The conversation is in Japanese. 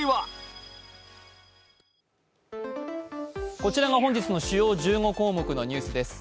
こちらが本日の主要１５項目のニュースです。